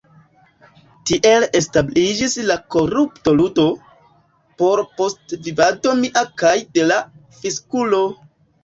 Tiel establiĝis la korupto-ludo, por postvivado mia kaj de la fiskulo!